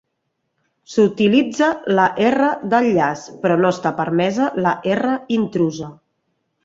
S'utilitza la R d'enllaç, però no està permesa la R intrusa.